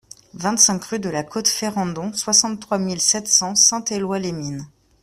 vingt-cinq rue de la Côte Ferrandon, soixante-trois mille sept cents Saint-Éloy-les-Mines